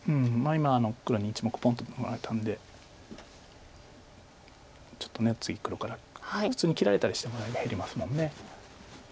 今黒に１目ポンと抜かれたんでちょっと次黒から普通に切られたりしても減りますもんね。